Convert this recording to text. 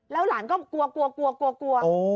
แล้วหลานก็กลัวกลัว